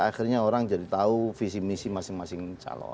akhirnya orang jadi tahu visi misi masing masing calon